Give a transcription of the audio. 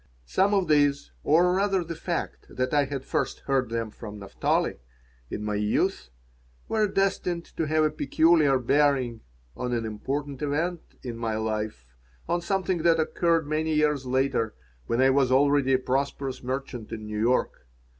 Some of these, or rather the fact that I had first heard them from Naphtali, in my youth, were destined to have a peculiar bearing on an important event in my life, on something that occurred many years later, when I was already a prosperous merchant in New York.